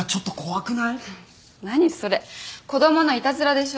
何それ子供のいたずらでしょ？